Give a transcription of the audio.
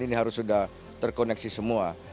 ini harus sudah terkoneksi semua